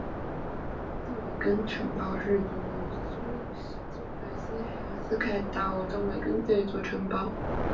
邓韦根城堡是一座位于苏格兰西海岸斯凯岛邓韦根的一座城堡。